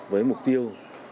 với mục tiêu